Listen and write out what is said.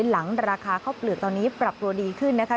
หลังราคาข้าวเปลือกตอนนี้ปรับตัวดีขึ้นนะคะ